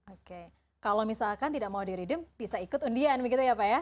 oke kalau misalkan tidak mau diridim bisa ikut undian begitu ya pak ya